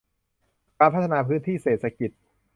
การพัฒนาพื้นที่เศรษฐกิจ